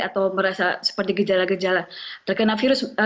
atau merasa seperti gejala gejala terkena virus